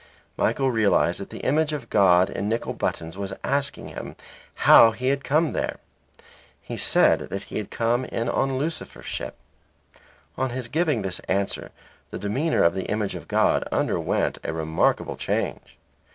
Michael realized that the image of God in nickel buttons was asking him how he had come there. He said that he had come in Lucifer's ship. On his giving this answer the demeanour of the image of God underwent a remarkable change.